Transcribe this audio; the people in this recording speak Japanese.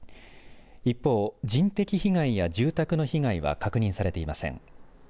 一方、人的被害や住宅の被害は確認されていません。